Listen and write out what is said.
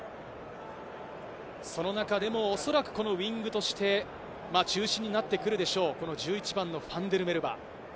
その中でもおそらくウイングとして中心になってくるでしょう、１１番のファンデルメルヴァ。